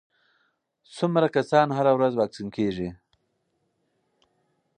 څومره کسان هره ورځ واکسین کېږي؟